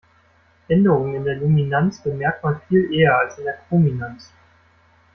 Änderungen in der Luminanz bemerkt man viel eher als in der Chrominanz.